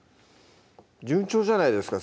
順調じゃないですか？